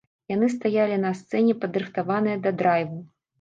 Яны стаялі на сцэне, падрыхтаваныя да драйву.